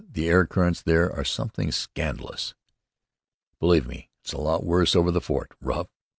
The air currents there are something scandalous!" "Believe me, it's a lot worse over the fort. Rough?